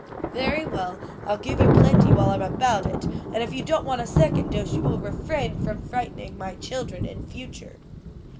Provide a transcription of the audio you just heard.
"Very well, I'll give you plenty while I'm about it, and if you don't want a second dose, you will refrain from frightening my children in future."